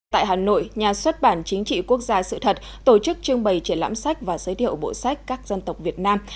tại hà nội nhà xuất bản chính trị quốc gia sự thật tổ chức trưng bày triển lãm sách và giới thiệu bộ sách các dân tộc việt nam